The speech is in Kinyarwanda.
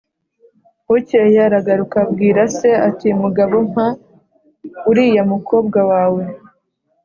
bukeye aragaruka abwira se ati ‘mugabo mpa uriya mukobwa wawe’.